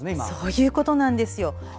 そういうことなんです。